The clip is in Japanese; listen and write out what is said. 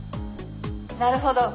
「なるほど。